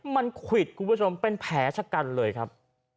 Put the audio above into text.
มันควิดคุณผู้ชมเป็นแผลชะกันเลยครับ